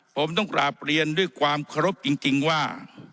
ผมต้องกราบเรียนด้วยความเคารพจริงว่า